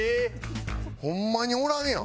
ホンマにおらんやん。